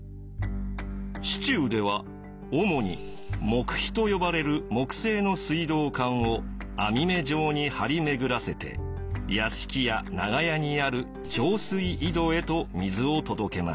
市中では主に木と呼ばれる木製の水道管を網目状に張り巡らせて屋敷や長屋にある上水井戸へと水を届けました。